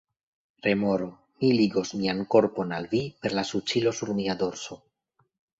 Remoro: "Mi ligos mian korpon al vi per la suĉilo sur mia dorso!"